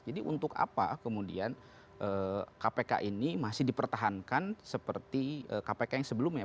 jadi untuk apa kemudian kpk ini masih dipertahankan seperti kpk yang sebelumnya